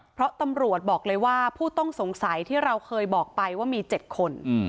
เพราะตำรวจบอกเลยว่าผู้ต้องสงสัยที่เราเคยบอกไปว่ามี๗คน